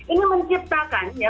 ini menciptakan ya